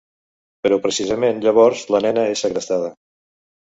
Però, precisament llavors, la nena és segrestada.